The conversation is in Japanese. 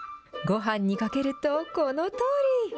ごはんにかけるとこのとおり。